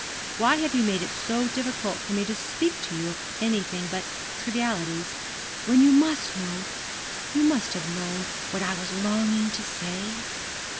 Why have you made it so difficult for me to speak to you of anything but trivialities when you must know you must have known what I was longing to say?'